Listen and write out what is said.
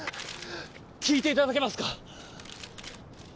聞いていただけますか？